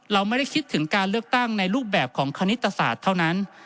เราไม่ได้คิดถึงการเลือกตั้งในรูปแบบของคณิตศาสตร์เท่านั้น